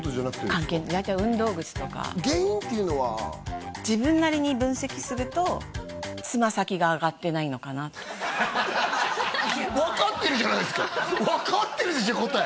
関係ない大体運動靴とか原因っていうのは自分なりに分析するとつま先が上がってないのかなと分かってるじゃないですか分かってるし答え